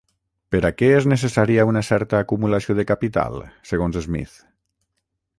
Per a què és necessària una certa acumulació de capital segons Smith?